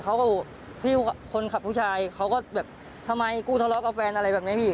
กับพี่คนขับผู้ชายเขาก็แบบทำไมกูทะเลาะกับแฟนอะไรแบบนี้พี่